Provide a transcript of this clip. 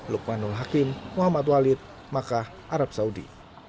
lukmanul hakim muhammad walid makkah arab saudi